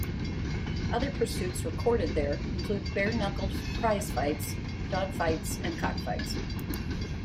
Other pursuits recorded there included bare-knuckled prize fights, dogfights and cockfights.